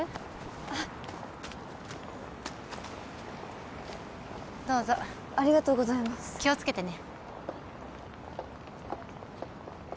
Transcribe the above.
あっはいどうぞありがとうございます気をつけてね